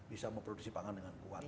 bisa memproduksi pangan dengan kuat